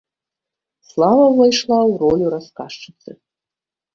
Слава ўвайшла ў ролю расказчыцы.